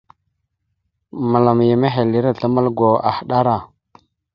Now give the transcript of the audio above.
Məlam ya mehelire azlam algo ahəɗara.